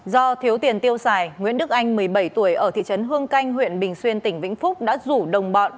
do thiếu tiền tiêu xài nguyễn đức anh một mươi bảy tuổi ở thị trấn hương canh huyện bình xuyên tỉnh vĩnh phúc đã rủ đồng bọn